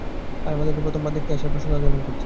আর আমাদেরকে প্রথমবার দেখতে আসায় প্রশংসা জ্ঞাপন করছি।